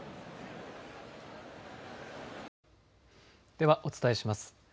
ではお伝えします。